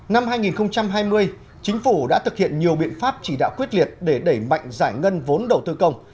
năm hai nghìn hai mươi chính phủ đã thực hiện nhiều biện pháp chỉ đạo quyết liệt để đẩy mạnh giải ngân vốn đầu tư công